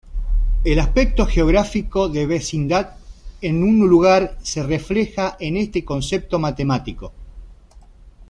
El aspecto geográfico de "vecindad" en un lugar se refleja en este concepto matemático.